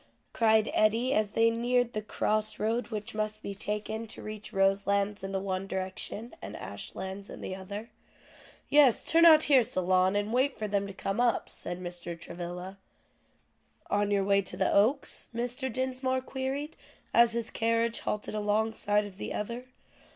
cried Eddie as they neared the cross road which must be taken to reach Roselands in the one direction, and Ashlands in the other. "Yes, turn out here, Solon, and wait for them to come up," said Mr. Travilla. "On your way to the Oaks?" Mr. Dinsmore queried as his carriage halted along side of the other.